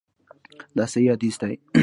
دا صحیح حدیث دی.